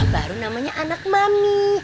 baru namanya anak mami